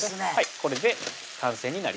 これで完成になります